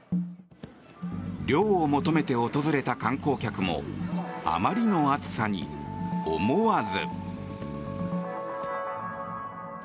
涼を求めて訪れた観光客もあまりの暑さに思わず。